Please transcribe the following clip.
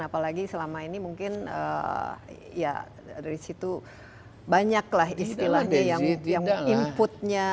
apalagi selama ini mungkin ya dari situ banyaklah istilahnya yang inputnya